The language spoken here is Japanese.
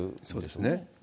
そうですね。